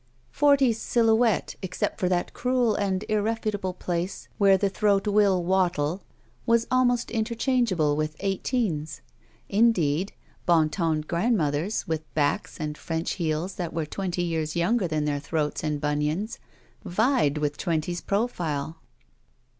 Forty's silhouette, except for that cruel and irre futable place where the throat will wattle, was almost interchangeable with eighteen's. Indeed, Bon Ton grandmothers with backs and French heels that were twenty years younger than their throats and bunions, vied with twenty's profile.